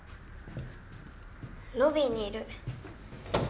ロビーにいる。